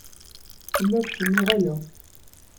Tella tcennu ɣaya.